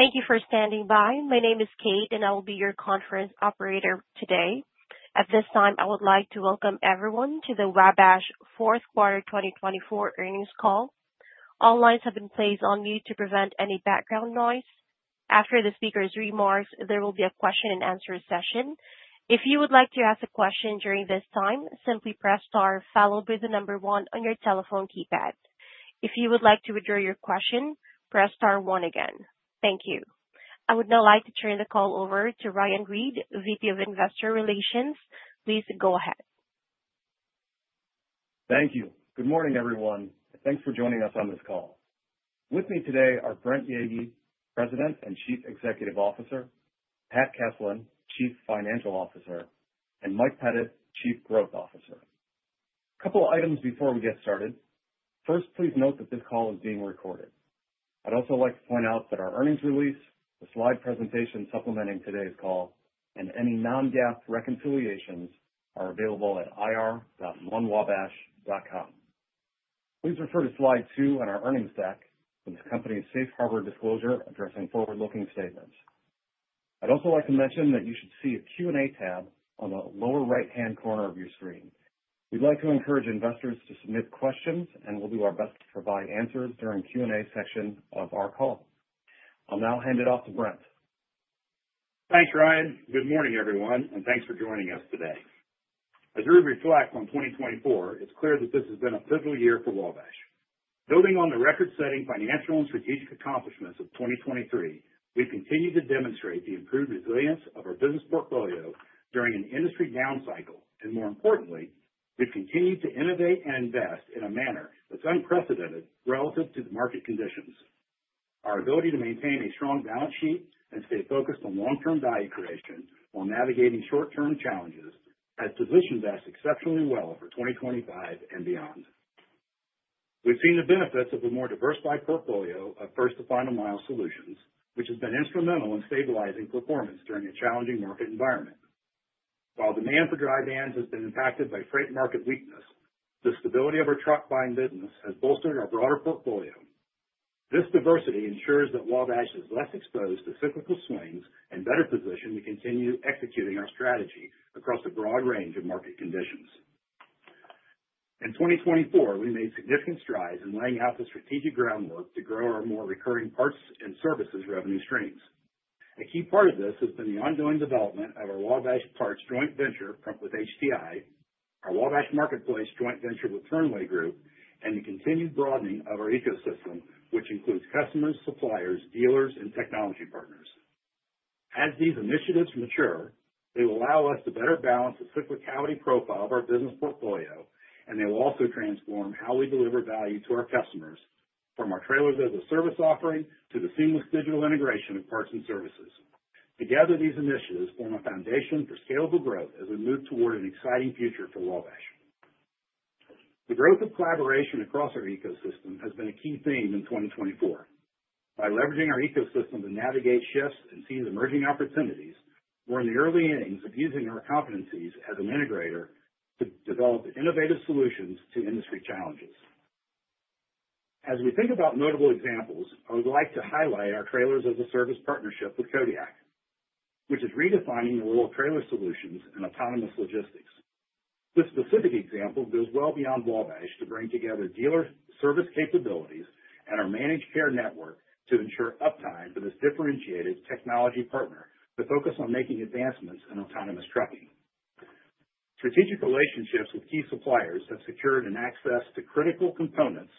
Thank you for standing by. My name is Kate, and I will be your conference operator today. At this time, I would like to welcome everyone to the Wabash Fourth Quarter 2024 earnings call. All lines have been placed on mute to prevent any background noise. After the speaker's remarks, there will be a question-and-answer session. If you would like to ask a question during this time, simply press star followed by the number one on your telephone keypad. If you would like to withdraw your question, press star one again. Thank you. I would now like to turn the call over to Ryan Reed, VP of Investor Relations. Please go ahead. Thank you. Good morning, everyone, and thanks for joining us on this call. With me today are Brent Yeagy, President and Chief Executive Officer, Pat Keslin, Chief Financial Officer, and Mike Pettit, Chief Growth Officer. A couple of items before we get started. First, please note that this call is being recorded. I'd also like to point out that our earnings release, the slide presentation supplementing today's call, and any non-GAAP reconciliations are available at ir.wabash.com. Please refer to slide two on our earnings deck for the company's safe harbor disclosure addressing forward-looking statements. I'd also like to mention that you should see a Q&A tab on the lower right-hand corner of your screen. We'd like to encourage investors to submit questions, and we'll do our best to provide answers during the Q&A section of our call. I'll now hand it off to Brent. Thanks, Ryan. Good morning, everyone, and thanks for joining us today. As we reflect on 2024, it's clear that this has been a pivotal year for Wabash. Building on the record-setting financial and strategic accomplishments of 2023, we've continued to demonstrate the improved resilience of our business portfolio during an industry down cycle, and more importantly, we've continued to innovate and invest in a manner that's unprecedented relative to the market conditions. Our ability to maintain a strong balance sheet and stay focused on long-term value creation while navigating short-term challenges has positioned us exceptionally well for 2025 and beyond. We've seen the benefits of a more diversified portfolio of First to Final Mile solutions, which has been instrumental in stabilizing performance during a challenging market environment. While demand for dry vans has been impacted by freight market weakness, the stability of our truck body business has bolstered our broader portfolio. This diversity ensures that Wabash is less exposed to cyclical swings and better positioned to continue executing our strategy across a broad range of market conditions. In 2024, we made significant strides in laying out the strategic groundwork to grow our more recurring parts and services revenue streams. A key part of this has been the ongoing development of our Wabash Parts joint venture with HTI, our Wabash Marketplace joint venture with Fernweh Group, and the continued broadening of our ecosystem, which includes customers, suppliers, dealers, and technology partners. As these initiatives mature, they will allow us to better balance the cyclicality profile of our business portfolio, and they will also transform how we deliver value to our customers, from our Trailers as a Service offering to the seamless digital integration of parts and services. Together, these initiatives form a foundation for scalable growth as we move toward an exciting future for Wabash. The growth of collaboration across our ecosystem has been a key theme in 2024. By leveraging our ecosystem to navigate shifts and seize emerging opportunities, we're in the early innings of using our competencies as an integrator to develop innovative solutions to industry challenges. As we think about notable examples, I would like to highlight our Trailers as a Service partnership with Kodiak, which is redefining the role of trailer solutions and autonomous logistics. This specific example goes well beyond Wabash to bring together dealer service capabilities and our managed care network to ensure uptime for this differentiated technology partner to focus on making advancements in autonomous trucking. Strategic relationships with key suppliers have secured access to critical components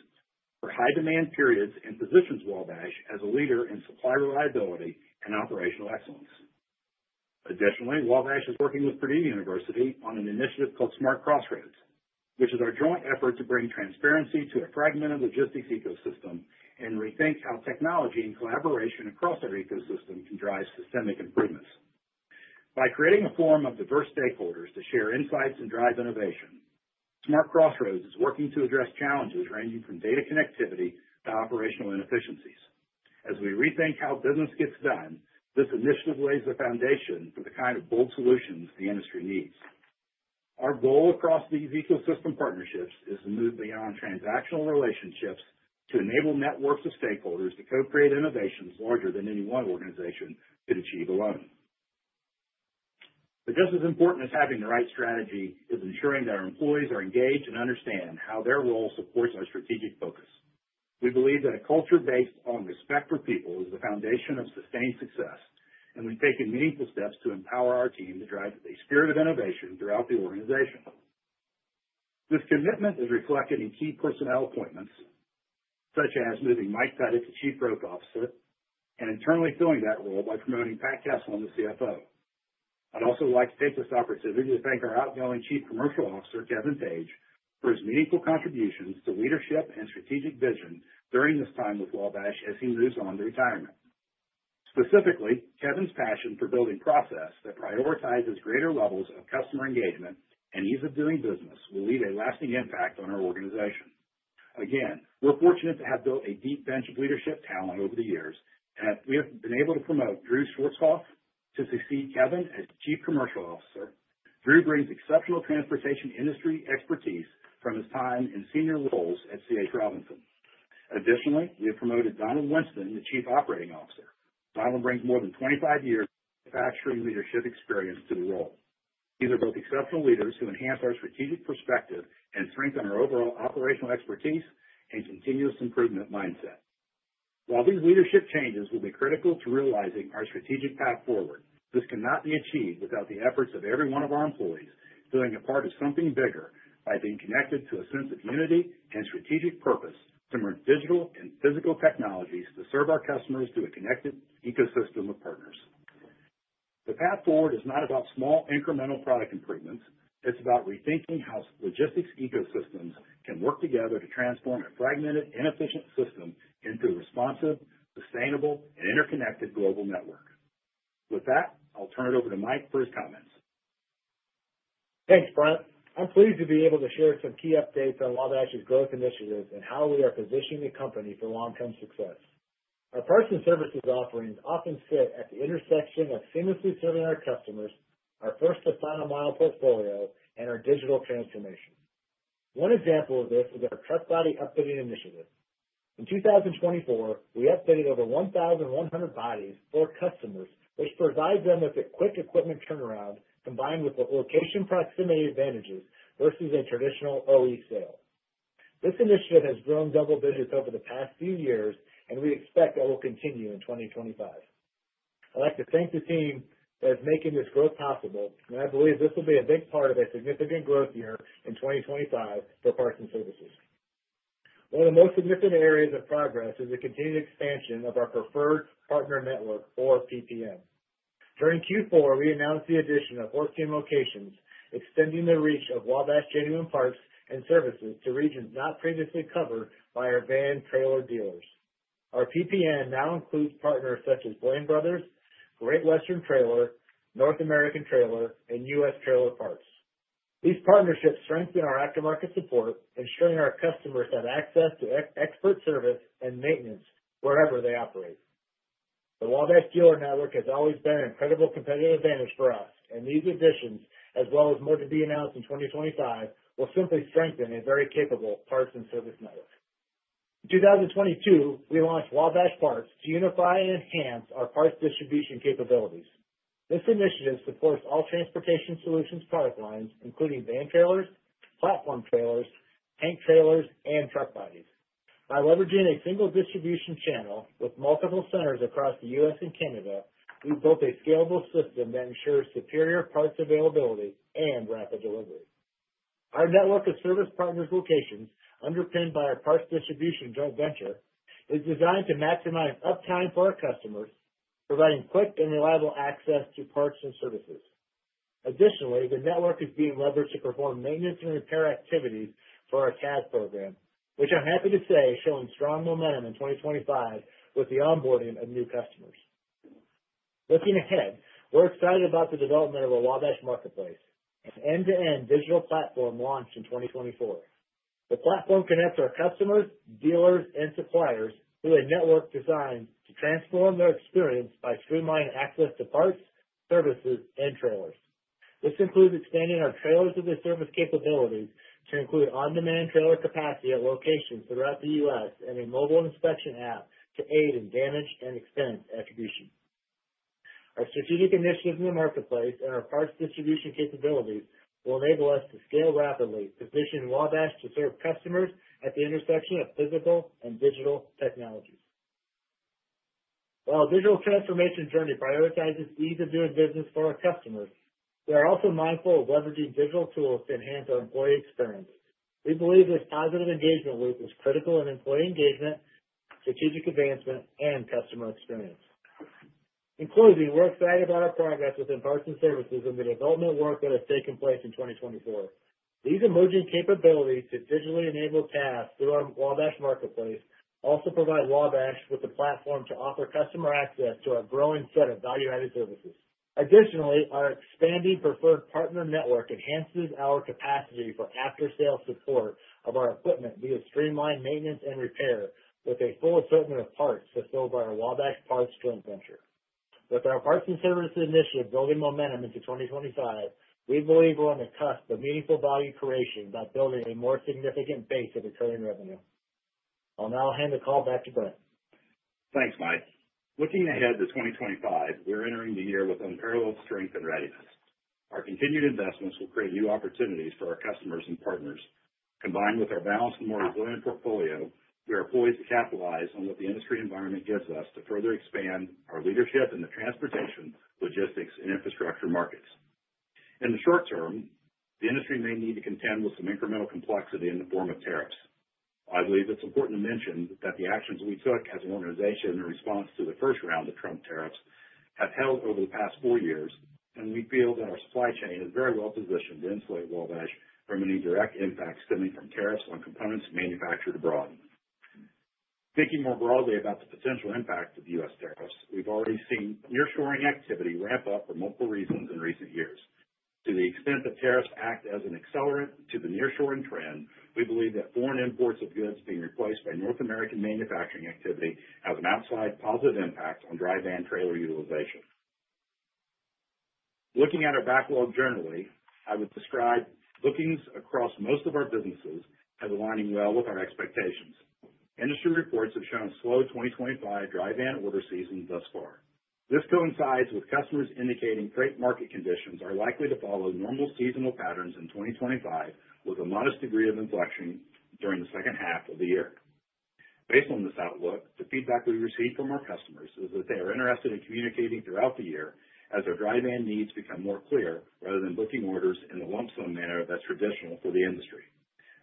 for high-demand periods and positions Wabash as a leader in supply reliability and operational excellence. Additionally, Wabash is working with Purdue University on an initiative called Smart Crossroads, which is our joint effort to bring transparency to a fragmented logistics ecosystem and rethink how technology and collaboration across our ecosystem can drive systemic improvements. By creating a forum of diverse stakeholders to share insights and drive innovation, Smart Crossroads is working to address challenges ranging from data connectivity to operational inefficiencies. As we rethink how business gets done, this initiative lays the foundation for the kind of bold solutions the industry needs. Our goal across these ecosystem partnerships is to move beyond transactional relationships to enable networks of stakeholders to co-create innovations larger than any one organization could achieve alone. But just as important as having the right strategy is ensuring that our employees are engaged and understand how their role supports our strategic focus. We believe that a culture based on respect for people is the foundation of sustained success, and we've taken meaningful steps to empower our team to drive a spirit of innovation throughout the organization. This commitment is reflected in key personnel appointments, such as moving Mike Pettit to Chief Growth Officer and internally filling that role by promoting Pat Keslin, the CFO. I'd also like to take this opportunity to thank our outgoing Chief Commercial Officer, Kevin Page, for his meaningful contributions to leadership and strategic vision during this time with Wabash as he moves on to retirement. Specifically, Kevin's passion for building process that prioritizes greater levels of customer engagement and ease of doing business will leave a lasting impact on our organization. Again, we're fortunate to have built a deep bench of leadership talent over the years, and we have been able to promote Drew Schwartzhoff to succeed Kevin as Chief Commercial Officer. Drew brings exceptional transportation industry expertise from his time in senior roles at C.H. Robinson. Additionally, we have promoted Donald Winston to Chief Operating Officer. Donald brings more than 25 years of factory leadership experience to the role. These are both exceptional leaders who enhance our strategic perspective and strengthen our overall operational expertise and continuous improvement mindset. While these leadership changes will be critical to realizing our strategic path forward, this cannot be achieved without the efforts of every one of our employees doing a part of something bigger by being connected to a sense of unity and strategic purpose to merge digital and physical technologies to serve our customers through a connected ecosystem of partners. The path forward is not about small incremental product improvements. It's about rethinking how logistics ecosystems can work together to transform a fragmented, inefficient system into a responsive, sustainable, and interconnected global network. With that, I'll turn it over to Mike for his comments. Thanks, Brent. I'm pleased to be able to share some key updates on Wabash's growth initiatives and how we are positioning the company for long-term success. Our parts and services offerings often sit at the intersection of seamlessly serving our customers, our first-to-final-mile portfolio, and our digital transformation. One example of this is our truck body updating initiative. In 2024, we updated over 1,100 bodies for customers, which provides them with a quick equipment turnaround combined with the location proximity advantages versus a traditional OE sale. This initiative has grown double digits over the past few years, and we expect that will continue in 2025. I'd like to thank the team that is making this growth possible, and I believe this will be a big part of a significant growth year in 2025 for parts and services. One of the most significant areas of progress is the continued expansion of our Preferred Partner Network, or PPN. During Q4, we announced the addition of 14 locations, extending the reach of Wabash Genuine Parts and Services to regions not previously covered by our van trailer dealers. Our PPN now includes partners such as Blaine Brothers, Great Western Trailer, North American Trailer, and U.S. Trailer Parts. These partnerships strengthen our aftermarket support, ensuring our customers have access to expert service and maintenance wherever they operate. The Wabash dealer network has always been an incredible competitive advantage for us, and these additions, as well as more to be announced in 2025, will simply strengthen a very capable parts and service network. In 2022, we launched Wabash Parts to unify and enhance our parts distribution capabilities. This initiative supports all transportation solutions product lines, including van trailers, platform trailers, tank trailers, and truck bodies. By leveraging a single distribution channel with multiple centers across the U.S. and Canada, we built a scalable system that ensures superior parts availability and rapid delivery. Our network of service partners' locations, underpinned by our parts distribution joint venture, is designed to maximize uptime for our customers, providing quick and reliable access to parts and services. Additionally, the network is being leveraged to perform maintenance and repair activities for our TaaS program, which I'm happy to say is showing strong momentum in 2025 with the onboarding of new customers. Looking ahead, we're excited about the development of a Wabash Marketplace, an end-to-end digital platform launched in 2024. The platform connects our customers, dealers, and suppliers through a network designed to transform their experience by streamlining access to parts, services, and trailers. This includes expanding our trailer service capabilities to include on-demand trailer capacity at locations throughout the U.S. and a mobile inspection app to aid in damage and expense attribution. Our strategic initiatives in the marketplace and our parts distribution capabilities will enable us to scale rapidly, positioning Wabash to serve customers at the intersection of physical and digital technologies. While our digital transformation journey prioritizes ease of doing business for our customers, we are also mindful of leveraging digital tools to enhance our employee experience. We believe this positive engagement loop is critical in employee engagement, strategic advancement, and customer experience. In closing, we're excited about our progress within parts and services and the development work that has taken place in 2024. These emerging capabilities to digitally enable Taas through our Wabash Marketplace also provide Wabash with the platform to offer customer access to our growing set of value-added services. Additionally, our expanding preferred partner network enhances our capacity for after-sales support of our equipment via streamlined maintenance and repair, with a full assortment of parts fulfilled by our Wabash Parts joint venture. With our parts and services initiative building momentum into 2025, we believe we're on the cusp of meaningful value creation by building a more significant base of recurring revenue. I'll now hand the call back to Brent. Thanks, Mike. Looking ahead to 2025, we're entering the year with unparalleled strength and readiness. Our continued investments will create new opportunities for our customers and partners. Combined with our balanced and more resilient portfolio, we are poised to capitalize on what the industry environment gives us to further expand our leadership in the transportation, logistics, and infrastructure markets. In the short term, the industry may need to contend with some incremental complexity in the form of tariffs. I believe it's important to mention that the actions we took as an organization in response to the first round of Trump tariffs have held over the past four years, and we feel that our supply chain is very well positioned to insulate Wabash from any direct impacts stemming from tariffs on components manufactured abroad. Thinking more broadly about the potential impact of the U.S. tariffs, we've already seen nearshoring activity ramp up for multiple reasons in recent years. To the extent that tariffs act as an accelerant to the nearshoring trend, we believe that foreign imports of goods being replaced by North American manufacturing activity have an outside positive impact on dry van trailer utilization. Looking at our backlog generally, I would describe bookings across most of our businesses as aligning well with our expectations. Industry reports have shown a slow 2025 dry van order season thus far. This coincides with customers indicating freight market conditions are likely to follow normal seasonal patterns in 2025, with a modest degree of inflection during the second half of the year. Based on this outlook, the feedback we receive from our customers is that they are interested in communicating throughout the year as their dry van needs become more clear rather than booking orders in the lump sum manner that's traditional for the industry.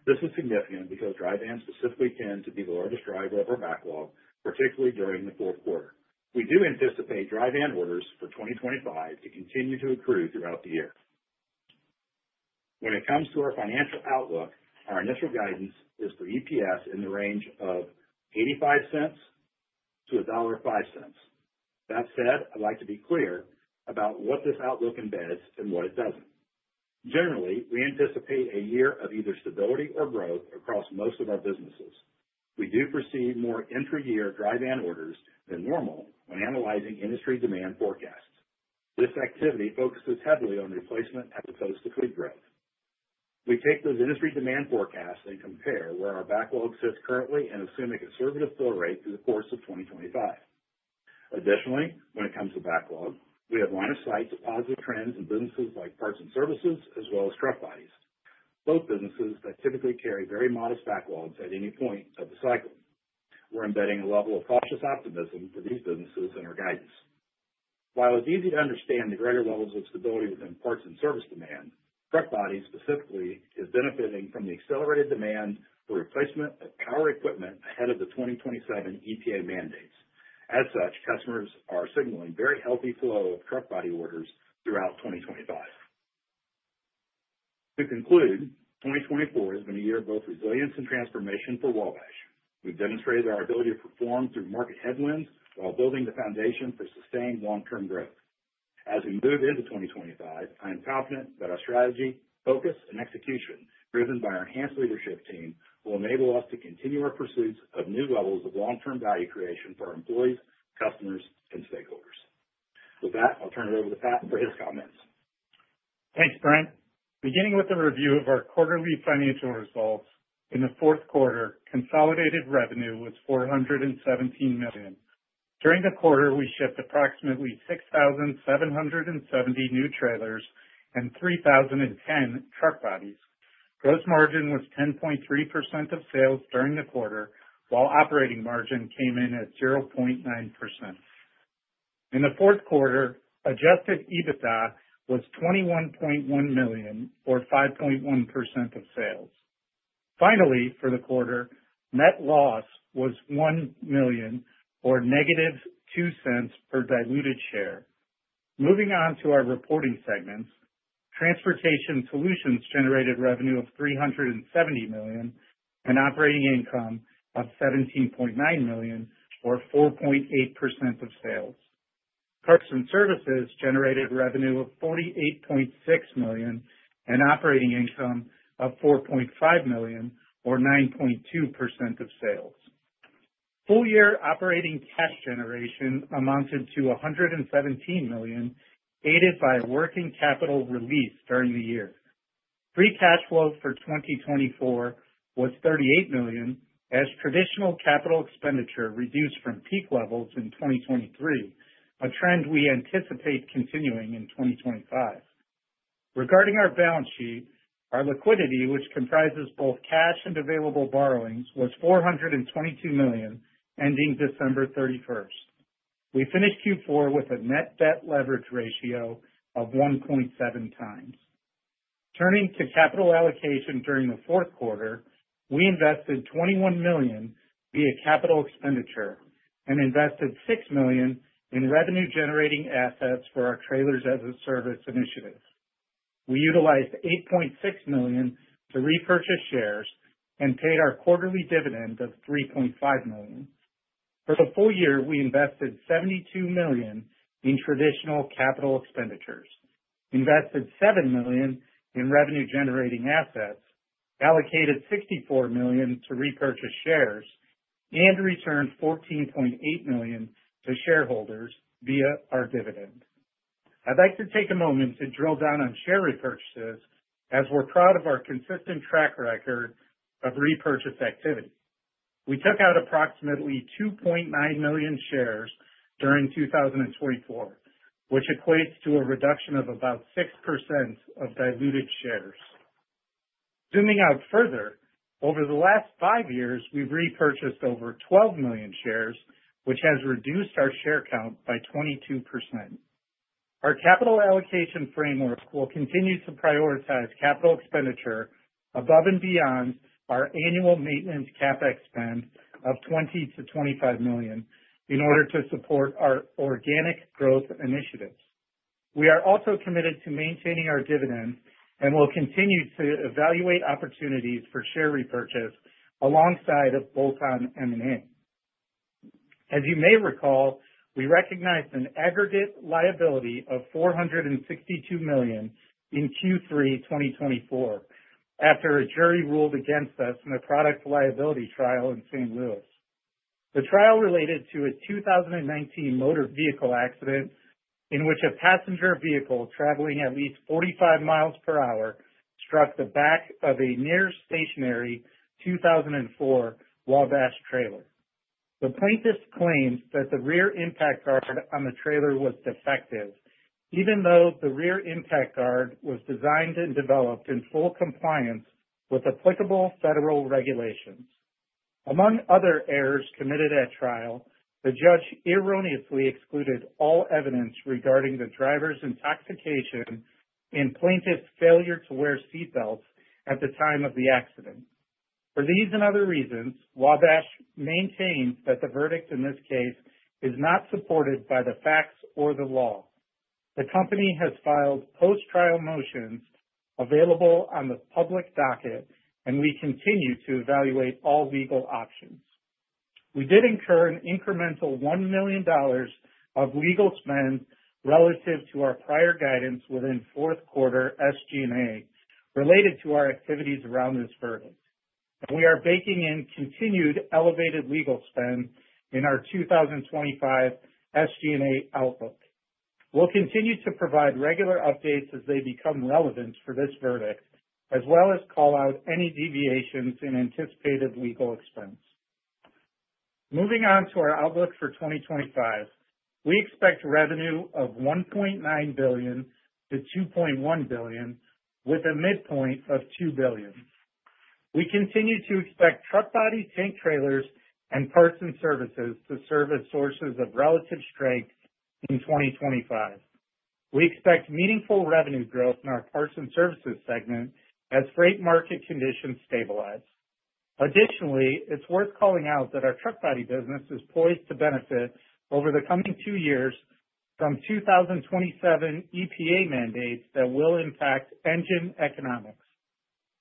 This is significant because dry vans specifically tend to be the largest driver of our backlog, particularly during the fourth quarter. We do anticipate dry van orders for 2025 to continue to accrue throughout the year. When it comes to our financial outlook, our initial guidance is for EPS in the range of $0.85-$1.05. That said, I'd like to be clear about what this outlook embeds and what it doesn't. Generally, we anticipate a year of either stability or growth across most of our businesses. We do foresee more intra-year dry van orders than normal when analyzing industry demand forecasts. This activity focuses heavily on replacement as opposed to fleet growth. We take those industry demand forecasts and compare where our backlog sits currently and assume a conservative flow rate through the course of 2025. Additionally, when it comes to backlog, we have line of sight to positive trends in businesses like parts and services, as well as truck bodies, both businesses that typically carry very modest backlogs at any point of the cycle. We're embedding a level of cautious optimism for these businesses in our guidance. While it's easy to understand the greater levels of stability within parts and service demand, truck bodies specifically are benefiting from the accelerated demand for replacement of power equipment ahead of the 2027 EPA mandates. As such, customers are signaling very healthy flow of truck body orders throughout 2025. To conclude, 2024 has been a year of both resilience and transformation for Wabash. We've demonstrated our ability to perform through market headwinds while building the foundation for sustained long-term growth. As we move into 2025, I am confident that our strategy, focus, and execution driven by our enhanced leadership team will enable us to continue our pursuits of new levels of long-term value creation for our employees, customers, and stakeholders. With that, I'll turn it over to Pat for his comments. Thanks, Brent. Beginning with a review of our quarterly financial results, in the fourth quarter, consolidated revenue was $417 million. During the quarter, we shipped approximately 6,770 new trailers and 3,010 truck bodies. Gross margin was 10.3% of sales during the quarter, while operating margin came in at 0.9%. In the fourth quarter, adjusted EBITDA was $21.1 million, or 5.1% of sales. Finally, for the quarter, net loss was $1 million, or -$0.02 per diluted share. Moving on to our reporting segments, transportation solutions generated revenue of $370 million and operating income of $17.9 million, or 4.8% of sales. Parts and services generated revenue of $48.6 million and operating income of $4.5 million, or 9.2% of sales. Full-year operating cash generation amounted to $117 million, aided by working capital released during the year. Free cash flow for 2024 was $38 million, as traditional capital expenditure reduced from peak levels in 2023, a trend we anticipate continuing in 2025. Regarding our balance sheet, our liquidity, which comprises both cash and available borrowings, was $422 million, ending December 31st. We finished Q4 with a net debt leverage ratio of 1.7x. Turning to capital allocation during the fourth quarter, we invested $21 million via capital expenditure and invested $6 million in revenue-generating assets for our Trailers as a Service initiative. We utilized $8.6 million to repurchase shares and paid our quarterly dividend of $3.5 million. For the full year, we invested $72 million in traditional capital expenditures, invested $7 million in revenue-generating assets, allocated $64 million to repurchase shares, and returned $14.8 million to shareholders via our dividend. I'd like to take a moment to drill down on share repurchases, as we're proud of our consistent track record of repurchase activity. We took out approximately 2.9 million shares during 2024, which equates to a reduction of about 6% of diluted shares. Zooming out further, over the last five years, we've repurchased over 12 million shares, which has reduced our share count by 22%. Our capital allocation framework will continue to prioritize capital expenditure above and beyond our annual maintenance CapEx spend of $20 million-$25 million in order to support our organic growth initiatives. We are also committed to maintaining our dividend and will continue to evaluate opportunities for share repurchase alongside of bolt-on M&A. As you may recall, we recognized an aggregate liability of $462 million in Q3 2024 after a jury ruled against us in a product liability trial in St. Louis. The trial related to a 2019 motor vehicle accident in which a passenger vehicle traveling at least 45 mi per hour struck the back of a near stationary 2004 Wabash trailer. The plaintiffs claimed that the rear impact guard on the trailer was defective, even though the rear impact guard was designed and developed in full compliance with applicable federal regulations. Among other errors committed at trial, the judge erroneously excluded all evidence regarding the driver's intoxication and plaintiff's failure to wear seat belts at the time of the accident. For these and other reasons, Wabash maintains that the verdict in this case is not supported by the facts or the law. The company has filed post-trial motions available on the public docket, and we continue to evaluate all legal options. We did incur an incremental $1 million of legal spend relative to our prior guidance within fourth quarter SG&A related to our activities around this verdict, and we are baking in continued elevated legal spend in our 2025 SG&A outlook. We'll continue to provide regular updates as they become relevant for this verdict, as well as call out any deviations in anticipated legal expense. Moving on to our outlook for 2025, we expect revenue of $1.9 billion-$2.1 billion, with a midpoint of $2 billion. We continue to expect truck body, tank trailers, and parts and services to serve as sources of relative strength in 2025. We expect meaningful revenue growth in our parts and services segment as freight market conditions stabilize. Additionally, it's worth calling out that our truck body business is poised to benefit over the coming two years from 2027 EPA mandates that will impact engine economics.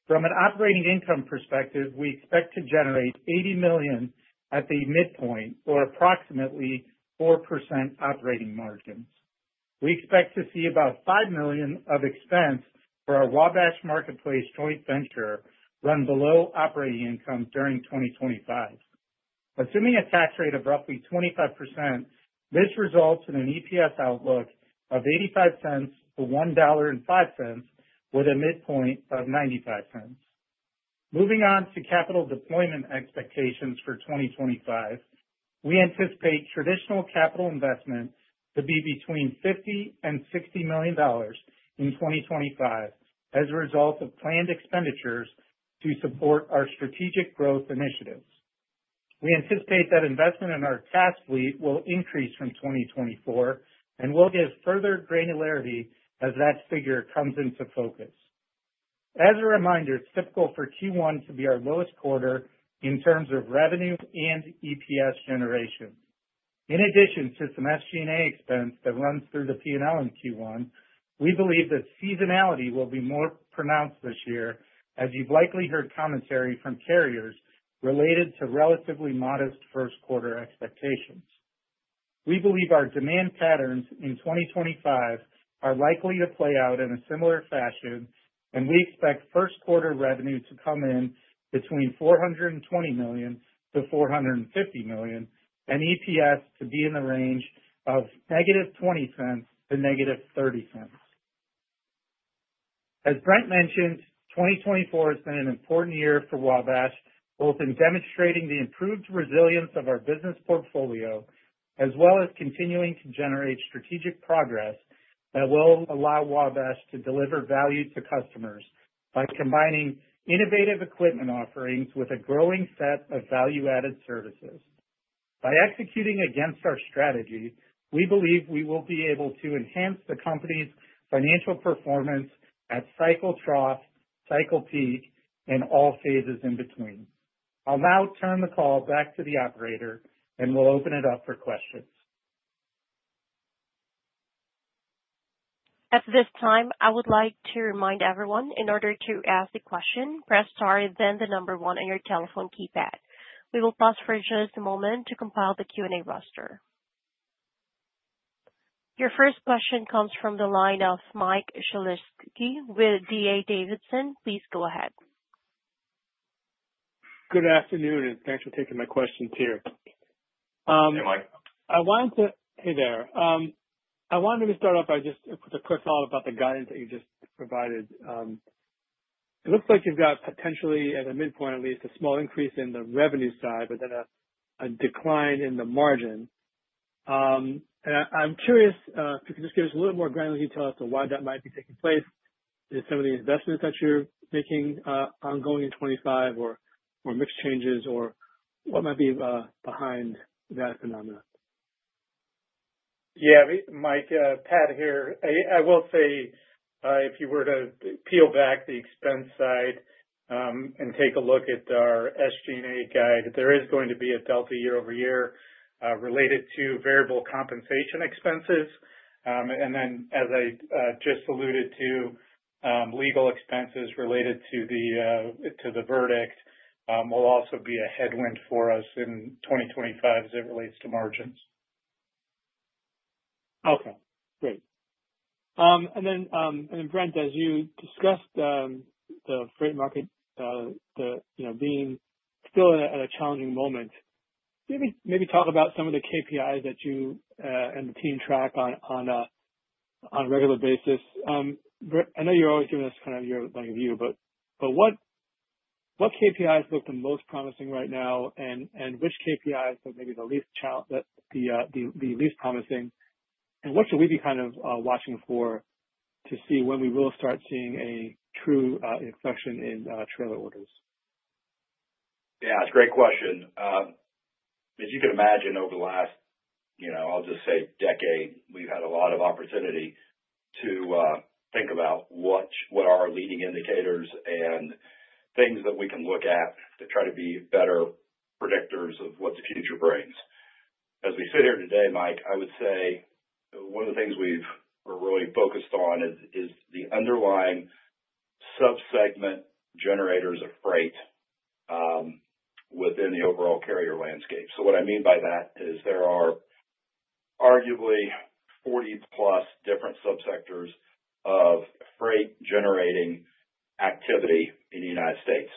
From an operating income perspective, we expect to generate $80 million at the midpoint, or approximately 4% operating margins. We expect to see about $5 million of expense for our Wabash Marketplace joint venture run below operating income during 2025. Assuming a tax rate of roughly 25%, this results in an EPS outlook of $0.85-$1.05, with a midpoint of $0.95. Moving on to capital deployment expectations for 2025, we anticipate traditional capital investment to be between $50 million and $60 million in 2025 as a result of planned expenditures to support our strategic growth initiatives. We anticipate that investment in our TaaS fleet will increase from 2024 and will give further granularity as that figure comes into focus. As a reminder, it's typical for Q1 to be our lowest quarter in terms of revenue and EPS generation. In addition to some SG&A expense that runs through the P&L in Q1, we believe that seasonality will be more pronounced this year, as you've likely heard commentary from carriers related to relatively modest first quarter expectations. We believe our demand patterns in 2025 are likely to play out in a similar fashion, and we expect first quarter revenue to come in between $420 million-$450 million and EPS to be in the range of -$0.20 to -$0.30. As Brent mentioned, 2024 has been an important year for Wabash, both in demonstrating the improved resilience of our business portfolio as well as continuing to generate strategic progress that will allow Wabash to deliver value to customers by combining innovative equipment offerings with a growing set of value-added services. By executing against our strategy, we believe we will be able to enhance the company's financial performance at cycle trough, cycle peak, and all phases in between. I'll now turn the call back to the operator, and we'll open it up for questions. At this time, I would like to remind everyone, in order to ask a question, press star, then the number one on your telephone keypad. We will pause for just a moment to compile the Q&A roster. Your first question comes from the line of Mike Shlisky with D.A. Davidson. Please go ahead. Good afternoon, and thanks for taking my questions here. Hey, Mike. Hey there. I wanted to start off by just with a quick follow-up about the guidance that you just provided. It looks like you've got potentially, at a midpoint at least, a small increase in the revenue side, but then a decline in the margin. I'm curious if you could just give us a little bit more granular detail as to why that might be taking place. Is it some of the investments that you're making ongoing in 2025, or mixed changes, or what might be behind that phenomenon? Yeah, Mike, Pat here. I will say, if you were to peel back the expense side and take a look at our SG&A guide, there is going to be a delta year-over-year related to variable compensation expenses. And then, as I just alluded to, legal expenses related to the verdict will also be a headwind for us in 2025 as it relates to margins. Okay. Great. And then, Brent, as you discussed the freight market being still at a challenging moment, maybe talk about some of the KPIs that you and the team track on a regular basis. I know you're always giving us kind of your view, but what KPIs look the most promising right now, and which KPIs look maybe the least promising? And what should we be kind of watching for to see when we will start seeing a true inflection in trailer orders? Yeah, it's a great question. As you can imagine, over the last, I'll just say, decade, we've had a lot of opportunity to think about what are our leading indicators and things that we can look at to try to be better predictors of what the future brings. As we sit here today, Mike, I would say one of the things we've really focused on is the underlying subsegment generators of freight within the overall carrier landscape. So what I mean by that is there are arguably 40+ different subsectors of freight-generating activity in the United States.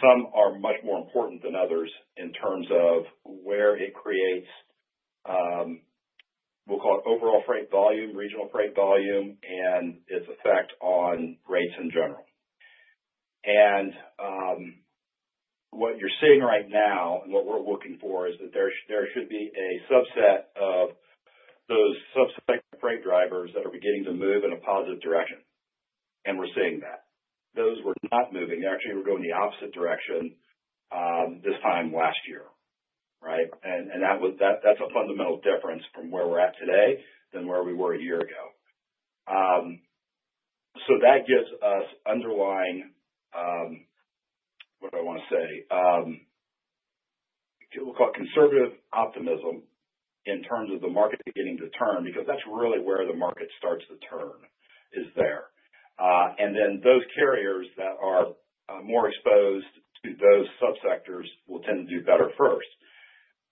Some are much more important than others in terms of where it creates, we'll call it, overall freight volume, regional freight volume, and its effect on rates in general. And what you're seeing right now and what we're looking for is that there should be a subset of those subsegment freight drivers that are beginning to move in a positive direction, and we're seeing that. Those were not moving. They actually were going the opposite direction this time last year, right? And that's a fundamental difference from where we're at today than where we were a year ago. So that gives us underlying - what do I want to say? We'll call it conservative optimism in terms of the market beginning to turn, because that's really where the market starts to turn is there. And then those carriers that are more exposed to those subsectors will tend to do better first.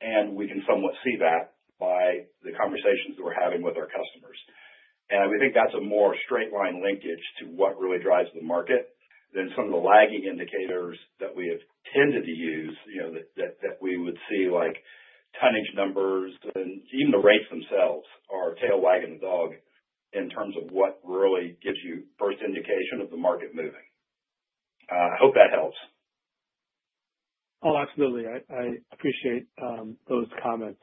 And we can somewhat see that by the conversations that we're having with our customers. We think that's a more straight-line linkage to what really drives the market than some of the lagging indicators that we have tended to use, that we would see like tonnage numbers and even the rates themselves are the tail wagging the dog in terms of what really gives you the first indication of the market moving. I hope that helps. Oh, absolutely. I appreciate those comments.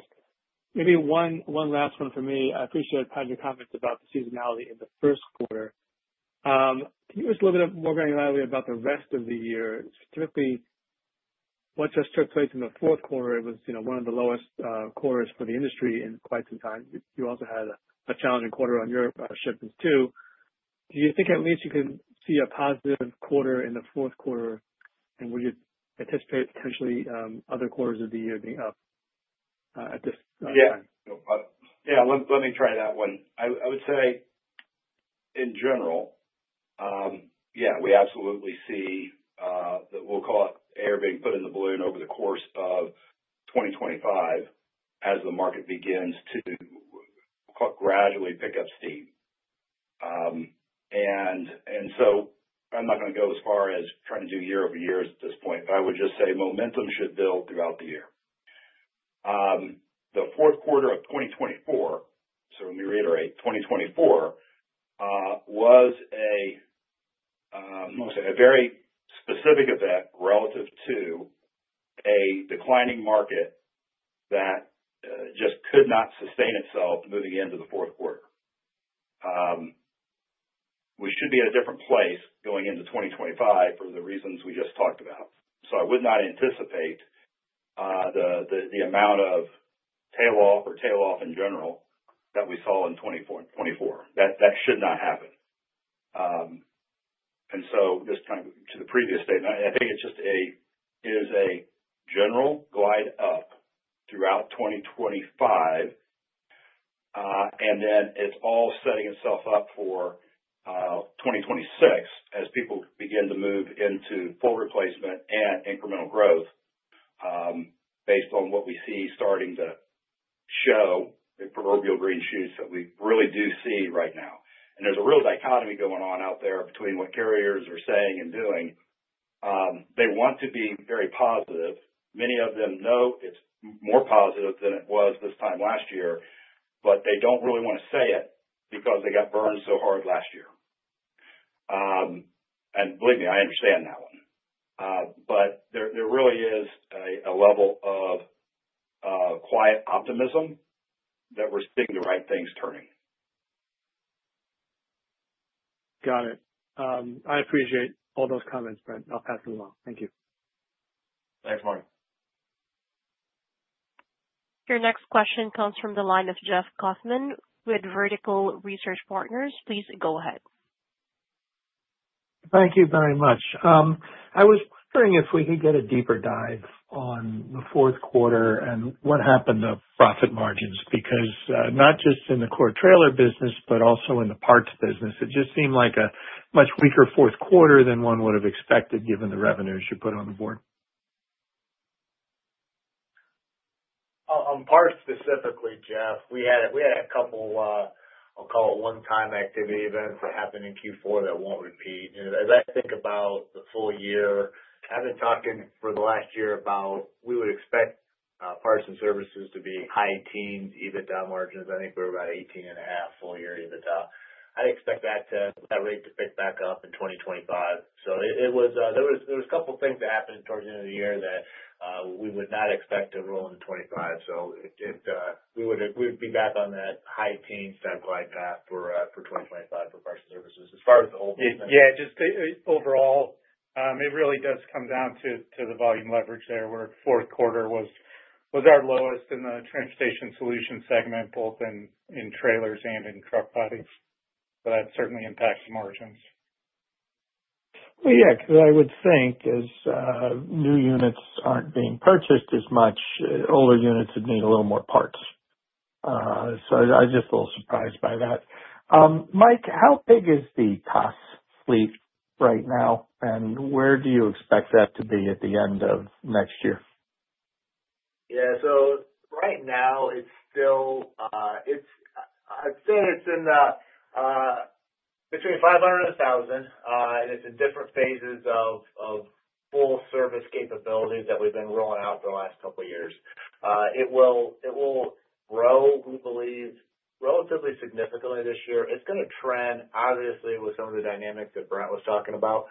Maybe one last one for me. I appreciate your comments about the seasonality in the first quarter. Can you give us a little bit more granularity about the rest of the year? Specifically, what just took place in the fourth quarter was one of the lowest quarters for the industry in quite some time. You also had a challenging quarter on your shipments too. Do you think at least you can see a positive quarter in the fourth quarter, and would you anticipate potentially other quarters of the year being up at this time? Yeah. Yeah. Let me try that one. I would say, in general, yeah, we absolutely see that we'll call it air being put in the balloon over the course of 2025 as the market begins to, we'll call it, gradually pick up steam. And so I'm not going to go as far as trying to do year-over-year at this point, but I would just say momentum should build throughout the year. The fourth quarter of 2024, so let me reiterate, 2024 was a, I'm going to say, a very specific event relative to a declining market that just could not sustain itself moving into the fourth quarter. We should be at a different place going into 2025 for the reasons we just talked about. So I would not anticipate the amount of tail off or tail off in general that we saw in 2024. That should not happen. And so just kind of to the previous statement, I think it's just a general glide up throughout 2025, and then it's all setting itself up for 2026 as people begin to move into full replacement and incremental growth based on what we see starting to show the proverbial green shoots that we really do see right now. And there's a real dichotomy going on out there between what carriers are saying and doing. They want to be very positive. Many of them know it's more positive than it was this time last year, but they don't really want to say it because they got burned so hard last year. And believe me, I understand that one. But there really is a level of quiet optimism that we're seeing the right things turning. Got it. I appreciate all those comments, Brent. I'll pass it along. Thank you. Thanks, Mike. Your next question comes from the line of Jeff Kauffman with Vertical Research Partners. Please go ahead. Thank you very much. I was wondering if we could get a deeper dive on the fourth quarter and what happened to profit margins, because not just in the core trailer business, but also in the parts business. It just seemed like a much weaker fourth quarter than one would have expected given the revenues you put on the board. On parts specifically, Jeff, we had a couple, I'll call it, one-time activity events that happened in Q4 that won't repeat. As I think about the full year, I've been talking for the last year about we would expect parts and services to be high teens EBITDA margins. I think we're about 18.5 full year EBITDA. I'd expect that rate to pick back up in 2025. So there were a couple of things that happened towards the end of the year that we would not expect to roll in 2025. So we would be back on that high teen step like that for 2025 for parts and services. As far as the whole business. Yeah. Just overall, it really does come down to the volume leverage there, where fourth quarter was our lowest in the transportation solution segment, both in trailers and in truck bodies. So that certainly impacts margins. Well, yeah, because I would think as new units aren't being purchased as much, older units would need a little more parts. So I was just a little surprised by that. Mike, how big is the COS fleet right now, and where do you expect that to be at the end of next year? Yeah, so right now, I'd say it's between 500 and 1,000, and it's in different phases of full service capabilities that we've been rolling out for the last couple of years. It will grow, we believe, relatively significantly this year. It's going to trend, obviously, with some of the dynamics that Brent was talking about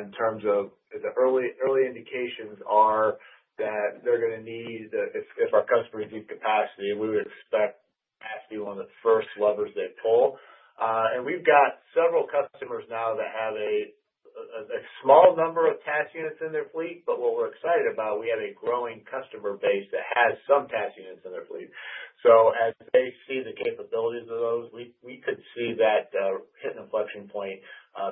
in terms of the early indications are that they're going to need if our customers need capacity, we would expect capacity to be one of the first levers they pull. And we've got several customers now that have a small number of TaaS units in their fleet, but what we're excited about, we have a growing customer base that has some TaaS units in their fleet. So as they see the capabilities of those, we could see that hit an inflection point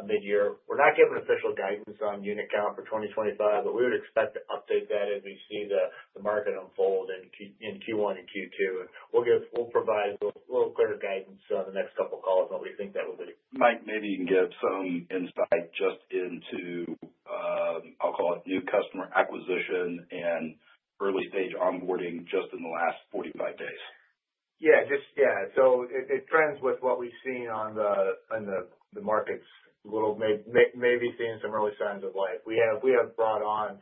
mid-year. We're not giving official guidance on unit count for 2025, but we would expect to update that as we see the market unfold in Q1 and Q2. We'll provide a little clearer guidance in the next couple of calls on what we think that will. Mike, maybe you can give some insight just into, I'll call it, new customer acquisition and early-stage onboarding just in the last 45 days. Yeah. Yeah. So it trends with what we've seen on the markets, maybe seeing some early signs of life. We have brought on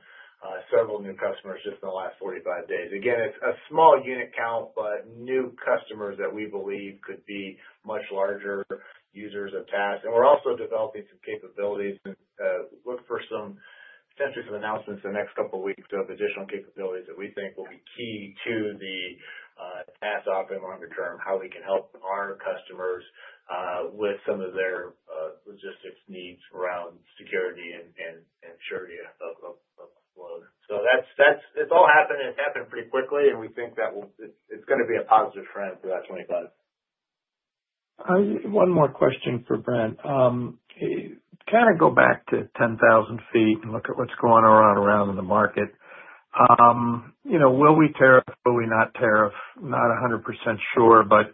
several new customers just in the last 45 days. Again, it's a small unit count, but new customers that we believe could be much larger users of TaaS. And we're also developing some capabilities and looking for potentially some announcements in the next couple of weeks of additional capabilities that we think will be key to the TaaS offering longer term, how we can help our customers with some of their logistics needs around security and surety of flows. So it's all happening, and it's happening pretty quickly, and we think that it's going to be a positive trend for that 2025. One more question for Brent. Kind of go back to 10,000 ft and look at what's going on around in the market. Will we tariff? Will we not tariff? Not 100% sure, but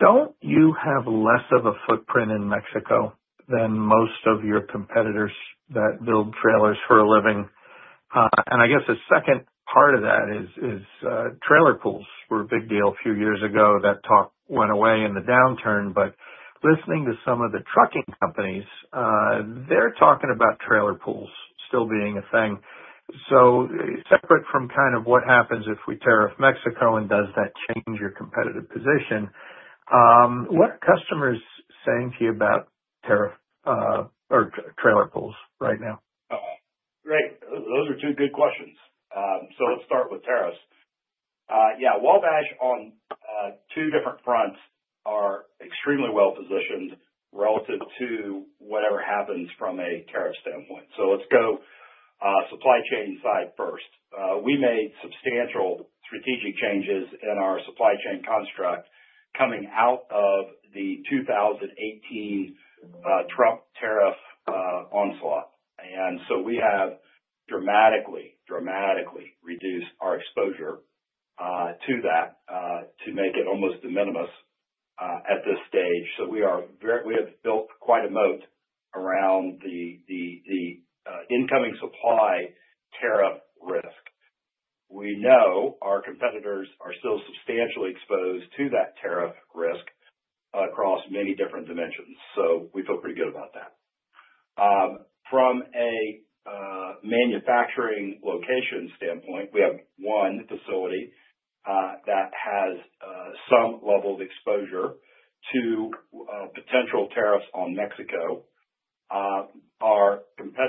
don't you have less of a footprint in Mexico than most of your competitors that build trailers for a living? And I guess the second part of that is trailer pools were a big deal a few years ago. That talk went away in the downturn, but listening to some of the trucking companies, they're talking about trailer pools still being a thing. So separate from kind of what happens if we tariff Mexico and does that change your competitive position, what are customers saying to you about tariff or trailer pools right now? Great. Those are two good questions. So let's start with tariffs. Yeah. Wabash, on two different fronts, are extremely well-positioned relative to whatever happens from a tariff standpoint. So let's go supply chain side first. We made substantial strategic changes in our supply chain construct coming out of the 2018 Trump tariff onslaught. And so we have dramatically, dramatically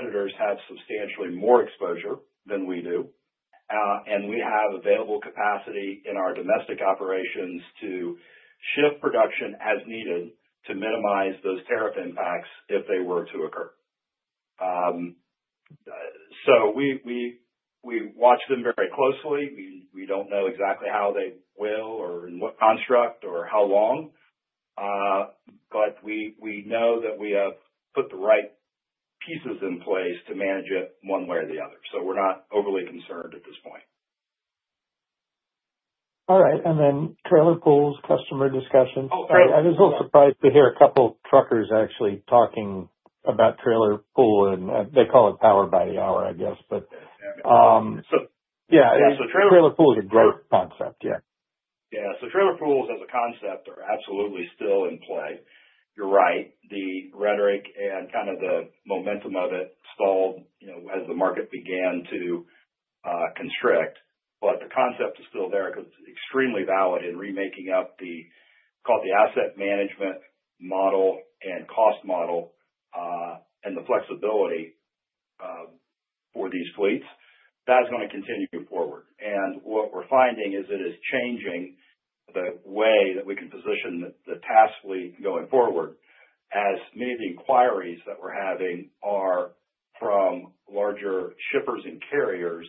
reduced our exposure to that to make it almost de minimis at this stage. So we have built quite a moat around the incoming supply tariff risk. We know our competitors are still substantially exposed to that tariff risk across many different dimensions. So we feel pretty good about that. From a manufacturing location standpoint, we have one facility that has some level of exposure to potential tariffs on Mexico. Our competitors have substantially more exposure than we do, and we have available capacity in our domestic operations to shift production as needed to minimize those tariff impacts if they were to occur. So we watch them very closely. We don't know exactly how they will or in what construct or how long, but we know that we have put the right pieces in place to manage it one way or the other. So we're not overly concerned at this point. All right, and then trailer pools, customer discussions. I was a little surprised to hear a couple of truckers actually talking about trailer pool, and they call it power by the hour, I guess, but yeah. Yeah, so trailer. Yeah. So trailer pool is a great concept. Yeah. Yeah. So trailer pools as a concept are absolutely still in play. You're right. The rhetoric and kind of the momentum of it stalled as the market began to constrict, but the concept is still there because it's extremely valid in remaking up the, I'll call it, the asset management model and cost model and the flexibility for these fleets. That's going to continue forward. And what we're finding is it is changing the way that we can position the TaaS fleet going forward as many of the inquiries that we're having are from larger shippers and carriers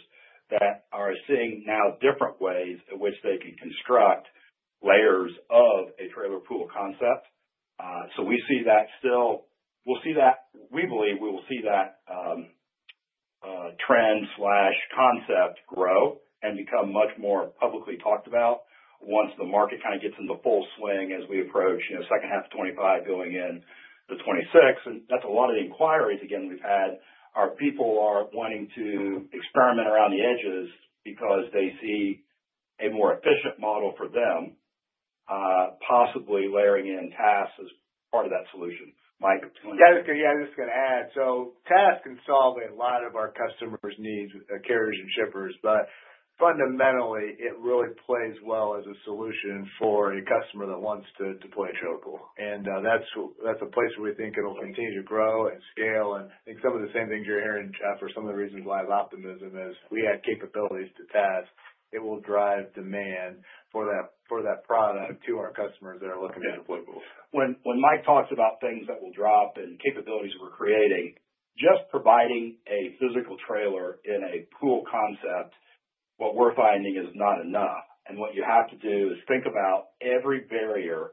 that are seeing now different ways in which they can construct layers of a trailer pool concept. So we see that still. We'll see that. We believe we will see that trend concept grow and become much more publicly talked about once the market kind of gets into full swing as we approach second half of 2025 going into 2026. And that's a lot of the inquiries again we've had. Our people are wanting to experiment around the edges because they see a more efficient model for them, possibly layering in TaaS as part of that solution. Mike? Yeah. I was just going to add. So TaaS can solve a lot of our customers' needs, carriers and shippers, but fundamentally, it really plays well as a solution for a customer that wants to deploy a trailer pool. And that's a place where we think it'll continue to grow and scale. And I think some of the same things you're hearing, Jeff, are some of the reasons why I have optimism is we have capabilities to TaaS. It will drive demand for that product to our customers that are looking to deploy pools. When Mike talks about things that will drop and capabilities we're creating, just providing a physical trailer in a pool concept, what we're finding is not enough, and what you have to do is think about every barrier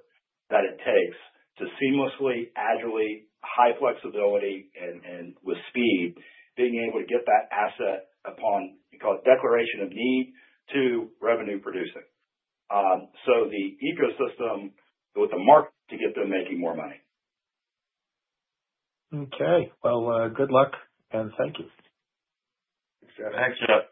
that it takes to seamlessly, agilely, high flexibility, and with speed, being able to get that asset upon, we call it, declaration of need to revenue producing, so the ecosystem with the market to get them making more money. Okay. Well, good luck and thank you. Thanks, Jeff.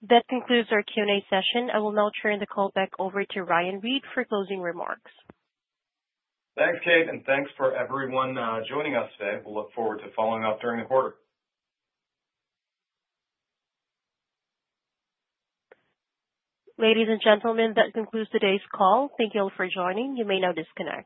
Thanks, Jeff. That concludes our Q&A session. I will now turn the call back over to Ryan Reed for closing remarks. Thanks, Kate, and thanks for everyone joining us today. We'll look forward to following up during the quarter. Ladies and gentlemen, that concludes today's call. Thank you all for joining. You may now disconnect.